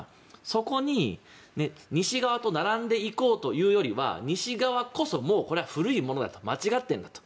そこに西側と並んでいこうというよりは西側こそ、これは古いものだと間違ってるんだと。